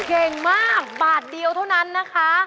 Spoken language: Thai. เก่งมากบาทเดียวเท่านั้นนะคะ